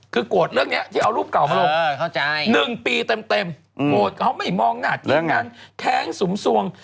คือโกรธเรื่องนี้ที่เอารูปเก่ามาลง๑ปีเต็มโกรธเขาไม่มองหน้าเรื่องการแค้งสุมสวง